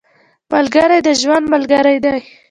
ملګری د ژوند ملګری دی